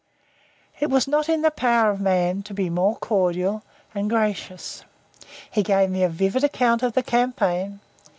It was not in the power of man to be more cordial and gracious. He gave me a vivid account of the campaign.